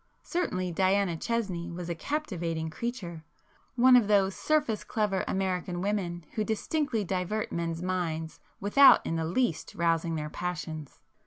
Certainly Diana Chesney was a captivating creature; one of those surface clever American women who distinctly divert men's minds without in the least rousing their passions.